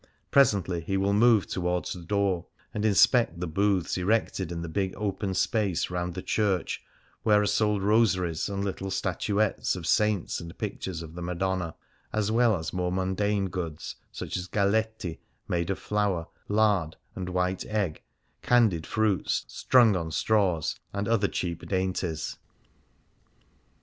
Presently he will move towards the door, and inspect the booths erected in the big open space round the church, where are sold rosaries and little statuettes of saints and pictures of the Madonna, as well as more mundane goods, such as galetti made of flour, lard, and white of e^g^ candied fruits strung on straws, and other cheap dainties.